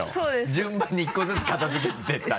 順番に１個ずつ片付けていった。